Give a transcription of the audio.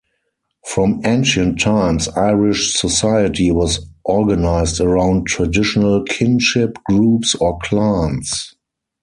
From ancient times Irish society was organised around traditional kinship groups or clans.